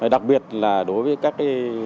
đặc biệt là đối với các